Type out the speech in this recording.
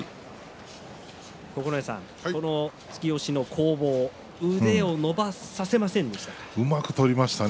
九重さん、この突き押しの攻防腕を伸ばさせませんでしたね。